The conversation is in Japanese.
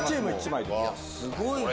すごいな。